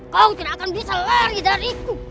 kau tidak akan bisa lari dariku